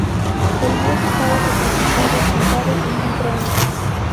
El dios estaba representado sentado en un trono.